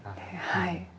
はい。